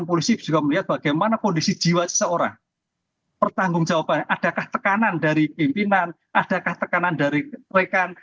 polisi juga melihat bagaimana kondisi jiwa seseorang pertanggung jawaban adakah tekanan dari pimpinan adakah tekanan dari rekan